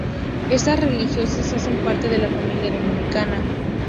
Estas religiosas hacen parte de la familia dominica.